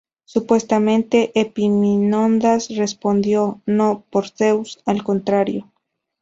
Supuestamente Epaminondas respondió: "No, por Zeus, al contrario.